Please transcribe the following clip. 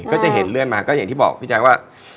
ก็จะเห็นเรื่อยมา